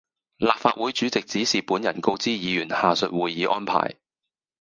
立法會主席指示本人告知議員下述會議安排